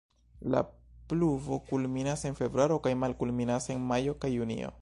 La pluvo kulminas en februaro kaj malkulminas en majo kaj junio.